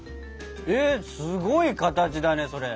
えっすごい形だねそれ。